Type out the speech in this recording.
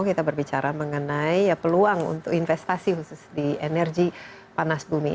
kita berbicara mengenai peluang untuk investasi khusus di energi panas bumi